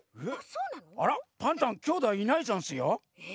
あらっパンタンきょうだいいないざんすよ。